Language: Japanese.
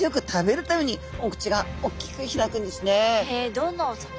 どんなお魚？